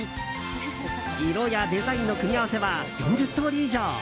色やデザインの組み合わせは４０通り以上。